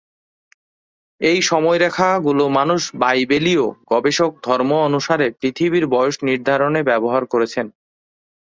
এই সময়রেখা গুলো বিভিন্ন বাইবেলীয় গবেষক ধর্ম অনুসারে পৃথিবীর বয়স নির্ধারণে ব্যবহার করেছেন।